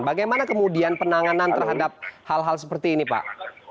bagaimana kemudian penanganan terhadap hal hal seperti ini pak